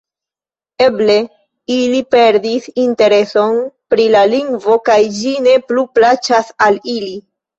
Eble ili perdis intereson pri la lingvo kaj ĝi ne plu plaĉas al ili.